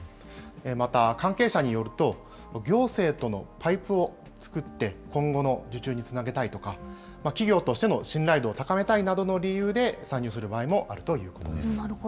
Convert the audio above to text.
また、関係者によると、行政とのパイプを作って、今後の受注につなげたいとか、企業としての信頼度を高めたいなどの理由で参入すなるほど。